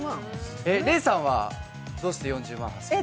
礼さんはどうして４０万８０００円？